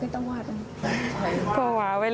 พูดกันว่าไข่ตะวาดไข่ตะวาด